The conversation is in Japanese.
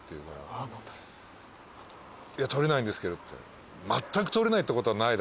いや取れないんですけど。